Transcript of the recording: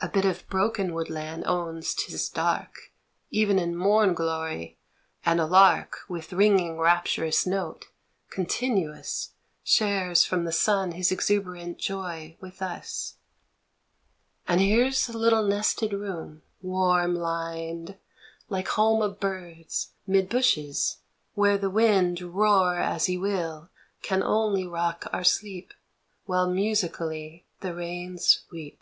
A bit of broken woodland owns 'tis dark Even in morn glory, and a lark With ringing rapturous note, continuous Shares from the sun his exuberant joy with us ! And here's a little nested room, warm lined, Like home of birds, 'mid bushes, where the wind Roar as he will can only rock our sleep While musically the rains weep.